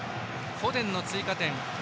フォデンの追加点。